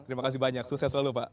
terima kasih banyak sukses selalu pak